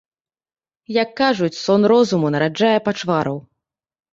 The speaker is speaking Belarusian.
Як кажуць, сон розуму нараджае пачвараў.